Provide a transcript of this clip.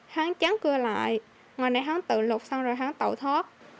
hắn chán cưa lại ngoài này hắn tự lục xong rồi hắn tẩu thoát